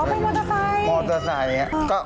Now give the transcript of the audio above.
เป็นมอเตอร์ไซค์มอเตอร์ไซค์